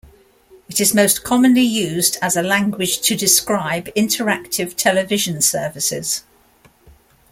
It is most commonly used as a language to describe interactive television services.